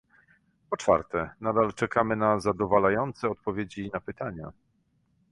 Po czwarte, nadal czekamy na zadowalające odpowiedzi na pytania